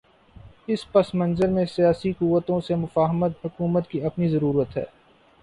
اس پس منظر میں سیاسی قوتوں سے مفاہمت حکومت کی اپنی ضرورت ہے۔